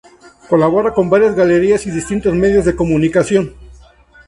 Colabora con varias galerías y distintos medios de comunicación.